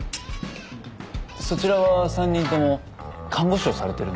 そちらは３人とも看護師をされてるんですよね？